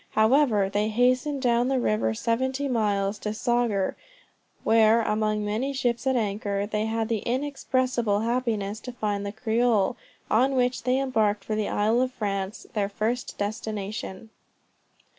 However they hastened down the river seventy miles, to Saugur, where, among many ships at anchor, they had the inexpressible happiness to find the Creole, on which they embarked for the Isle of France, their first destination.